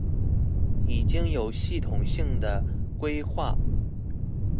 已經有系統性的規劃